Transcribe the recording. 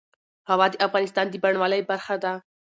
هوا د افغانستان د بڼوالۍ برخه ده.